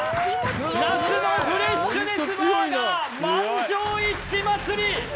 夏のフレッシュネスバーガー満場一致祭り